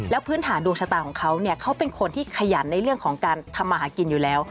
พื้นฐานดวงชะตาของเขาเนี่ยเขาเป็นคนที่ขยันในเรื่องของการทำมาหากินอยู่แล้ว